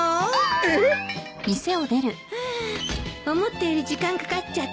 ええ！？ああ思ったより時間かかっちゃった。